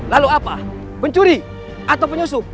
lalu apa pencuri atau penyusup